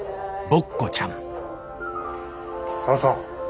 ボッコちゃん。